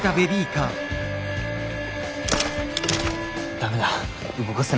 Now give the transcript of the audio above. ダメだ動かせない。